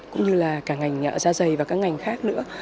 cũng như là cả ngành da dày và các ngành khác nữa